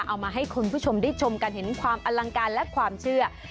เอามาให้คุณผู้ชมได้ชมกันเห็นความอลังการและความเชื่อ